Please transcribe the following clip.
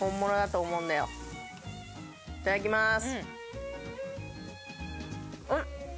いただきます。